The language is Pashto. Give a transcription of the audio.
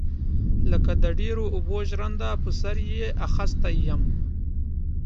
لکه د ډيرو اوبو ژرنده پر سر يې اخيستى يم.